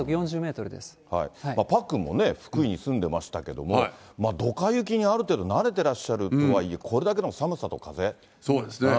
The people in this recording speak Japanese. パックンもね、福井に住んでましたけれども、どか雪にある程度慣れてらっしゃるとはいえ、こそうですね。